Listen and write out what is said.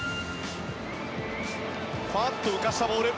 ふわっと浮かしたボール。